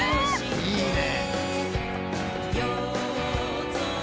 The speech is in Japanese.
いいね。